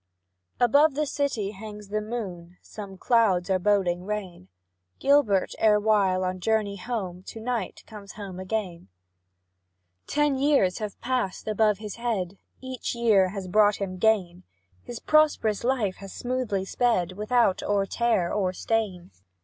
Above the city hangs the moon, Some clouds are boding rain; Gilbert, erewhile on journey gone, To night comes home again. Ten years have passed above his head, Each year has brought him gain; His prosperous life has smoothly sped, Without or tear or stain.